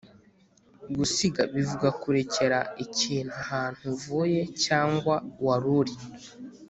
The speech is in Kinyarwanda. gusiga bivuga kurekera ikintu ahantu uvuye cyangwa wari uri.